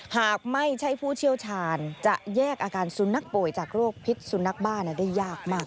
หากไม่ใช่ผู้เชี่ยวชาญจะแยกอาการสุนัขป่วยจากโรคพิษสุนัขบ้าได้ยากมาก